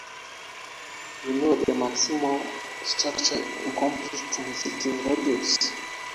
We know the "maximal" structurally incomplete transitive logics.